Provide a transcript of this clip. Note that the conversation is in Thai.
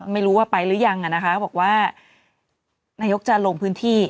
ไม่รู้ว่าไปหรือยังนะคะบอกว่านายกจะลงพื้นที่